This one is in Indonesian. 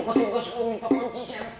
kalau gak yuk deh gue